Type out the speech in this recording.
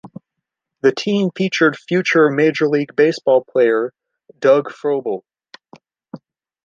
The team featured future Major League Baseball player Doug Frobel.